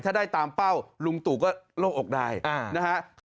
ถ้าได้ตามเป้าลุงตู่ก็โล่งอกได้นะฮะ